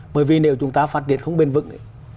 bởi vì nếu chúng ta phát triển không bền vững ấy